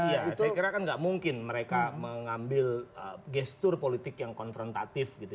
iya saya kira kan nggak mungkin mereka mengambil gestur politik yang konfrontatif gitu